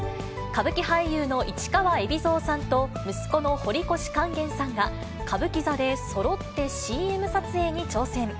歌舞伎俳優の市川海老蔵さんと息子の堀越勸玄さんが、歌舞伎座でそろってＣＭ撮影に挑戦。